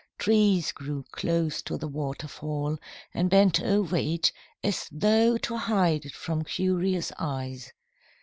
Trees grew close to the waterfall, and bent over it as though to hide it from curious eyes.